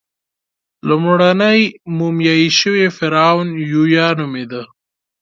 لومړنی مومیایي شوی فرعون یویا نومېده.